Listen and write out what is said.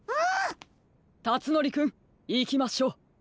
たつのりくんいきましょう。